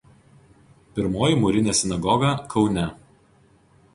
Pirmoji mūrinė sinagoga Kaune.